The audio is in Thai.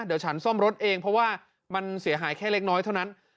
เดี๋ยวฉันซ่อมรถเองเพราะว่ามันเสียหายแค่เล็กน้อยเท่านั้น